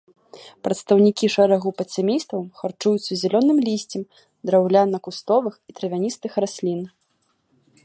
Прадстаўнікі шэрагу падсямействаў харчуюцца зялёным лісцем драўняна-кустовых і травяністых раслін.